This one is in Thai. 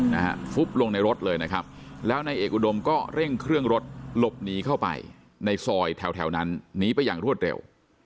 หนีเข้าไปในซอยแถวนั้นหนีไปอย่างรวดเร็ว